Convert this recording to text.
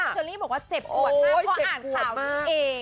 เชอรี่บอกว่าเจ็บปวดมากเพราะอ่านข่าวนี้เอง